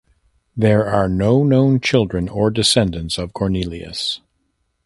There are no known children or descendants of Cornelius.